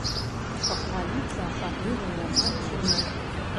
Пахваліцца асабліва няма чым.